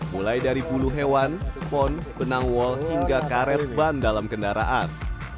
mulai dari bulu hewan spon benang wall hingga karet ban dalam kendaraan